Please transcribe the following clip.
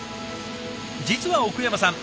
実は奥山さん